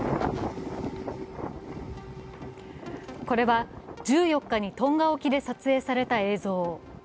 これは１４日にトンガ沖で撮影された映像。